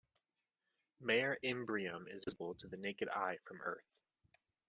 Mare Imbrium is visible to the naked eye from Earth.